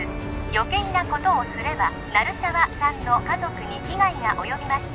余計なことをすれば鳴沢さんの家族に危害が及びます